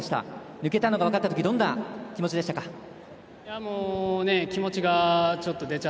抜けたのが分かったときどんな気持ちでしたか？